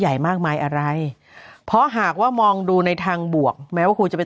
ใหญ่มากมายอะไรเพราะหากว่ามองดูในทางบวกแม้ว่าคุณจะเป็น